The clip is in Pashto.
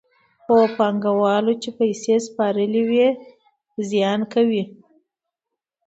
هغو پانګوالو چې پیسې سپارلې وي زیان کوي